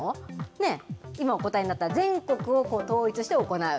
ね、今お答えになった、全国を統一して行う。